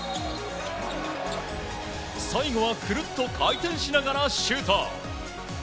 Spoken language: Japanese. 最後は、くるっと回転しながらシュート！